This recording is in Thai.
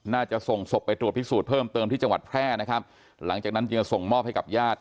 น่าจะส่งศพไปตรวจพิสูจน์เพิ่มเติมที่จังหวัดแพร่นะครับหลังจากนั้นจึงส่งมอบให้กับญาติ